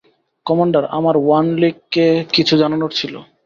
Commander, আমার ওয়ানলিকে কিছু জানানোর ছিল।